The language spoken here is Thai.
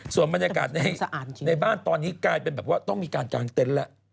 ส่วนบรรยากาศในบ้านตอนนี้กลายเป็นแบบว่าต้องมีการกางเต็นต์แล้ว